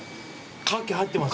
カキ入ってます。